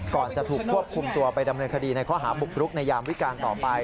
จะถูกควบคุมตัวไปดำเนินคดีในข้อหาบุกรุกในยามวิการต่อไป